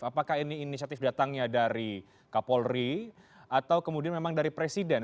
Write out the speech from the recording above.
apakah ini inisiatif datangnya dari kapolri atau kemudian memang dari presiden